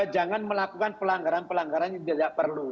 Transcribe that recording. jangan melakukan pelanggaran pelanggaran yang tidak perlu